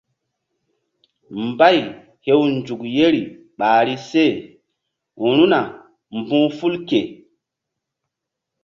Mbay hew nzukri ɓahri seru̧na mbu̧h ful ke.